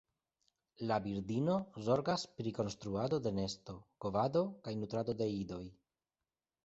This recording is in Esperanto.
La birdino zorgas pri konstruado de nesto, kovado kaj nutrado de idoj.